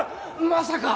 まさか！